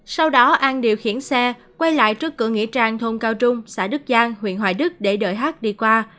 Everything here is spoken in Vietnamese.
sau đó an điều khiển xe quay lại trước cửa nghĩa trang thôn cao trung xã đức giang huyện hoài đức để đợi hát đi qua